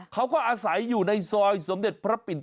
เขาก็อาศัยอยู่ในซอยสมเด็จพระปิ่น๗